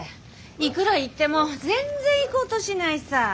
いくら言っても全然行こうとしないさぁ。